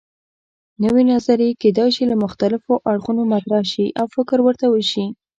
نوې نظریې کیدای شي له مختلفو اړخونو مطرح شي او فکر ورته وشي.